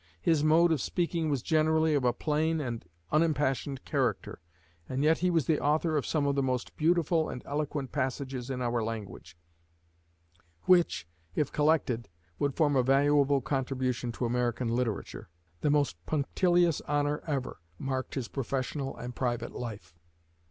His mode of speaking was generally of a plain and unimpassioned character, and yet he was the author of some of the most beautiful and eloquent passages in our language, which, if collected, would form a valuable contribution to American literature. The most punctilious honor ever marked his professional and private life."